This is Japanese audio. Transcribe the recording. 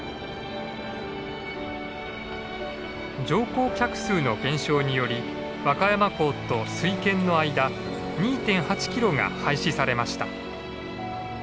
乗降客数の減少により和歌山港と水軒の間２．８キロが廃止されました。